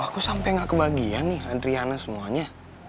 aku sampe gak kebahagiaan nih adriana semuanya